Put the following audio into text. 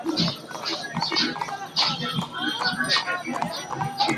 Ĉion legitan utila al la sano mi tuj provas-uzas kaj enkondukas vivregulo.